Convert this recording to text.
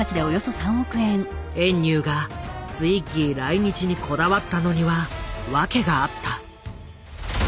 遠入がツイッギー来日にこだわったのには訳があった。